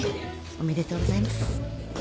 おめでとうございます。